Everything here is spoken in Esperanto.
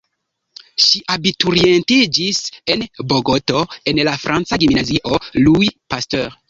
Ŝi abiturientiĝis en Bogoto en la franca gimnazio "Louis Pasteur".